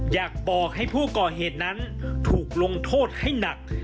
อยากบอกให้ผู้ก่อเหตุนั้นถูกลงโทษให้หนัก